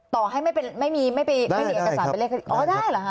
ต่อให้ไม่มีเอกสารเป็นเลขคดี